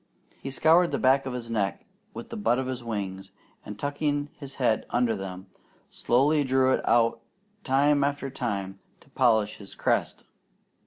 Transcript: He scoured the back of his neck with the butt of his wings, and tucking his head under them, slowly drew it out time after time to polish his crest.